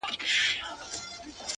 اوښکي دې توی کړلې ډېوې، راته راوبهيدې،